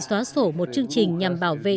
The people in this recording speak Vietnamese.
xóa sổ một chương trình nhằm bảo vệ